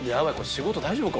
仕事大丈夫か？